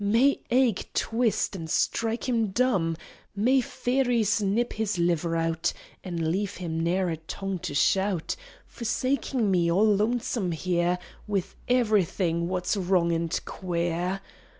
May ague twist, an' strike him dumb! May fairies nip his liver out An' leave him nare a tongue to shout. Forsaking me, all loansome here With iverything what's wrong and queer.